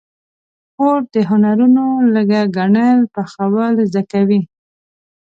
خور د هنرونو لکه ګنډل، پخول زده کوي.